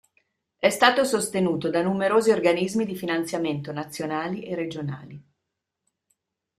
È stato sostenuto da numerosi organismi di finanziamento nazionali e regionali.